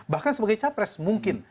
bahkan sebagai capres mungkin